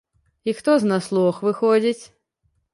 І хто з нас лох, выходзіць?